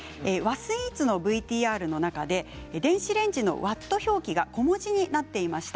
スイーツの中で電子レンジのワット表記が小文字になっていました。